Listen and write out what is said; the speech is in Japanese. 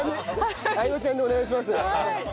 「相葉ちゃん」でお願いします。